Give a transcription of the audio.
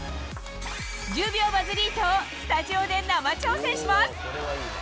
１０秒バズリートをスタジオで生挑戦します。